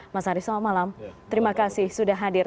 mas ari selamat malam terima kasih sudah hadir